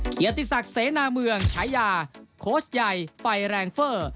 เกียรติศักดิ์เสนาเมืองฉายาโค้ชใหญ่ไฟแรงเฟอร์